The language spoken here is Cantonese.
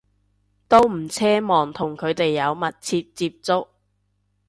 都唔奢望同佢哋有密切接觸